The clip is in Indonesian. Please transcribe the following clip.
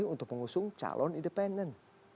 untuk mengusung calon independen